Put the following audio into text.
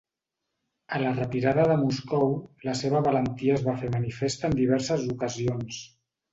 A la retirada de Moscou, la seva valentia es va fer manifesta en diverses ocasions.